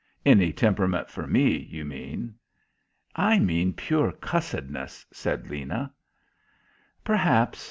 "Any temperament for me, you mean." "I mean pure cussedness," said Lena. "Perhaps.